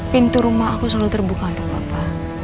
pintu rumah aku selalu terbuka untuk papa